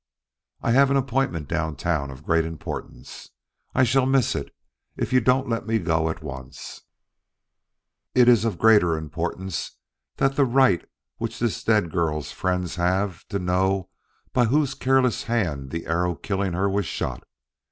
I have an appointment downtown of great importance. I shall miss it if you don't let me go at once." "Is it of greater importance than the right which this dead girl's friends have to know by whose careless hands the arrow killing her was shot?"